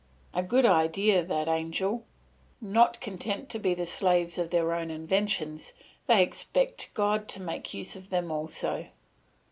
A good idea, that angel! Not content to be the slaves of their own inventions they expect God to make use of them also!